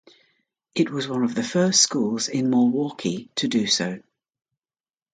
It was one of the first schools in Milwaukee to do so.